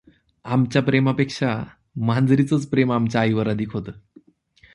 आमच्या प्रेमापेक्षा मांजरीचेच प्रेम आमच्या आईवर अधिक होते.